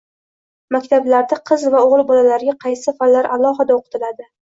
Maktablarda qiz va o‘g‘il bolalarga qaysi fanlar alohida o‘qitiladi?